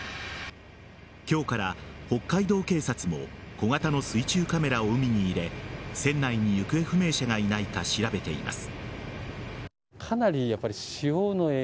今日から北海道警察も小型の水中カメラを海に入れ船内に行方不明者がいないか調べています。